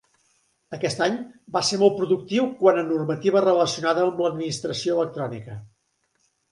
Aquest any va ser molt productiu quant a normativa relacionada amb l'administració electrònica.